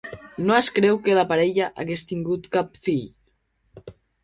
No es creu que la parella hagués tingut cap fill.